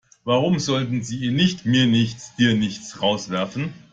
Warum sollte sie ihn nicht, mir nicht dir nicht, rauswerfen?